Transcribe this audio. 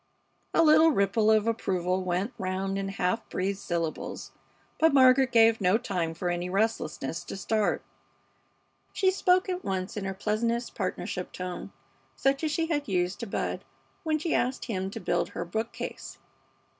A little ripple of approval went round in half breathed syllables, but Margaret gave no time for any restlessness to start. She spoke at once, in her pleasantest partnership tone, such as she had used to Bud when she asked him to help her build her bookcase.